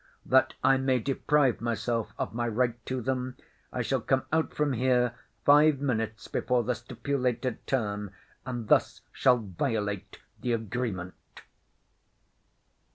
That I may deprive myself of my right to them, I shall come out from here five minutes before the stipulated term, and thus shall violate the agreement."